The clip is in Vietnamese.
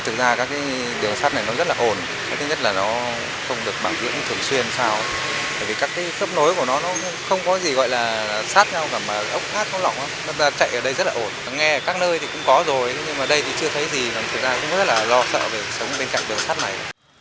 thực ra cũng rất là lo sợ về sống bên cạnh đường sát này